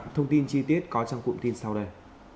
thông tin chi tiết có trong cụm tin sau đây